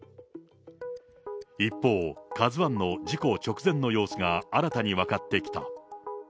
一方、カズワンの事故直前の様子が新たに分かってきた。